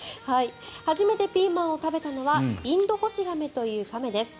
初めてピーマンを食べたのはインドホシガメという亀です。